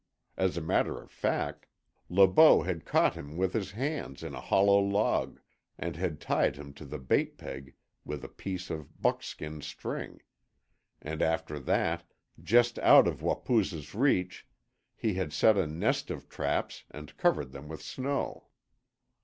As a matter of fact, Le Beau had caught him with his hands in a hollow log, and had tied him to the bait peg with a piece of buck skin string; and after that, just out of Wapoos's reach, he had set a nest of traps and covered them with snow.